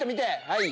はい！